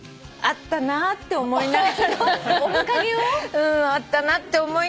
あったなって思いながら見て。